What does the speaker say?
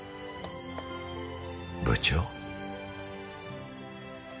部長。